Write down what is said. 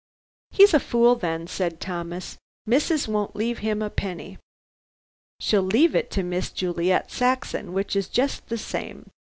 "He's a fool, then," said Thomas. "Missus won't leave him a penny." "She'll leave it to Miss Juliet Saxon, which is just the same.